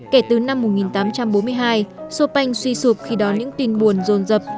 kể từ năm một nghìn tám trăm bốn mươi hai chopin suy sụp khi đó những tin buồn rồn rập